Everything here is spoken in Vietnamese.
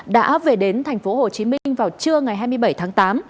đã về đến thành phố hồ chí minh vào trưa ngày hai mươi bảy tháng tám